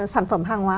sản phẩm hàng hóa